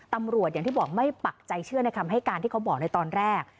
อย่างที่บอกไม่ปักใจเชื่อในคำให้การที่เขาบอกในตอนแรก